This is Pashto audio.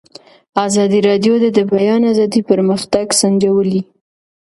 ازادي راډیو د د بیان آزادي پرمختګ سنجولی.